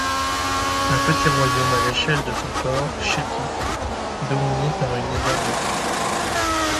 Un petit royaume à l'échelle de son corps chétif dominé par une énorme tête.